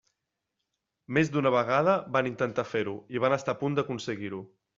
Més d'una vegada van intentar fer-ho i van estar a punt d'aconseguir-ho.